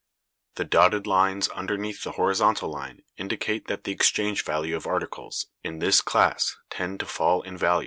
The dotted lines underneath the horizontal line indicate that the exchange value of articles in this class tend to fall in value.